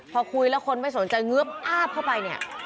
พอคุยแล้วคนไม่สนใจเงื้อมอาบเข้าไปเนี่ย